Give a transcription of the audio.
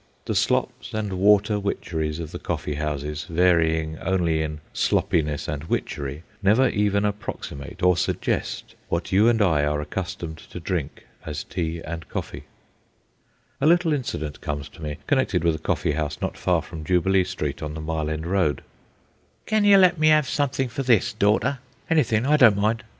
The slops and water witcheries of the coffee houses, varying only in sloppiness and witchery, never even approximate or suggest what you and I are accustomed to drink as tea and coffee. A little incident comes to me, connected with a coffee house not far from Jubilee Street on the Mile End Road. "Cawn yer let me 'ave somethin' for this, daughter? Anythin', Hi don't mind.